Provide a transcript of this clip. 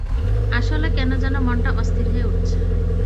আসলে, কেন যেন মনটা অস্থির হয়ে উঠছে।